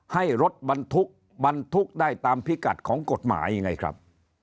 ให้รถบรรทุกบรรทุกได้ตามพิกัดของกฎหมายไงครับ